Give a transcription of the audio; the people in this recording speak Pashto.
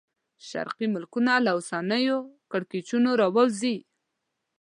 شرقي ملکونه له اوسنیو کړکېچونو راووځي.